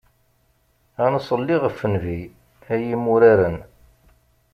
Ad nṣelli ɣef Nnbi, ay imuraren.